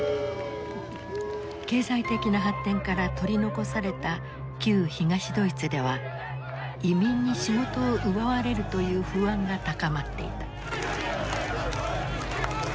経済的な発展から取り残された旧東ドイツでは移民に仕事を奪われるという不安が高まっていた。